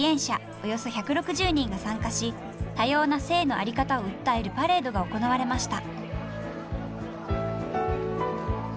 およそ１６０人が参加し多様な性の在り方を訴えるパレードが行われました。